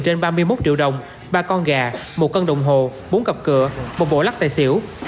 trên ba mươi một triệu đồng ba con gà một cân đồng hồ bốn cặp cửa một bộ lắc tài xỉu